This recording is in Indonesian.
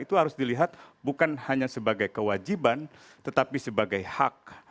itu harus dilihat bukan hanya sebagai kewajiban tetapi sebagai hak